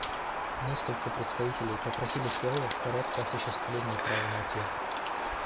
Несколько представителей попросили слова в порядке осуществления права на ответ.